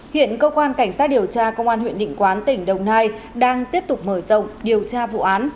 hiện cơ quan cảnh sát điều tra công an huyện định quán tỉnh đồng nai đang tiếp tục mở rộng điều tra vụ án